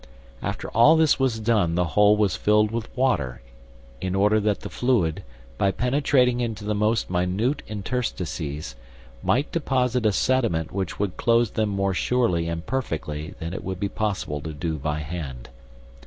After all this was done the whole was filled with water, in order that the fluid, by penetrating into the most minute interstices, might deposit a sediment which would close them more surely and perfectly than it would be possible to do by hand.